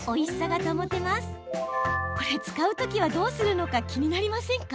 これ使う時はどうするのか気になりませんか？